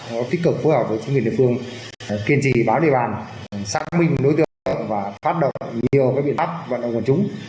nó tích cực phối hợp với chính quyền địa phương kiên trì bám địa bàn xác minh đối tượng và phát động nhiều biện pháp vận động quần chúng